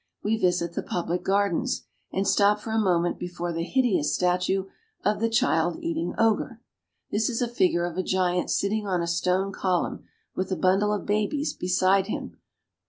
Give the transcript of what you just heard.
We visit the public gardens, and stop for a moment before the hideous statue of the Child eating Ogre. This is a figure of a giant sitting on a stone column, with a bundle of babies beside him.